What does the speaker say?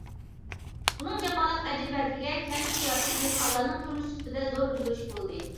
ئۇنىڭ جاپالىق ئەجرى بەدىلىگە كەنت قىياپىتى، دېھقانلارنىڭ تۇرمۇش سۈپىتىدە زور ئۆزگىرىش بولدى.